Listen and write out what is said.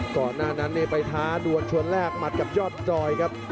ก่อนหน้านั้นไปท้าดวนชวนแรกหมัดกับยอดจอยครับ